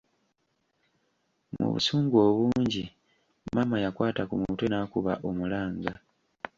Mu busungu obungi maama yakwata ku mutwe n’akuba omulanga.